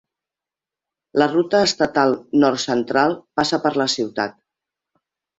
La ruta estatal Nord Central passa per la ciutat.